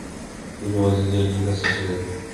তিনি ওয়াজিদ আলির কাছে ছিলেন।